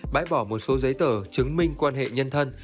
bãi bỏ một số giấy tờ chứng minh quan hệ nhân thân